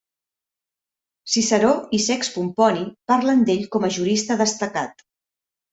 Ciceró i Sext Pomponi parlen d'ell com a jurista destacat.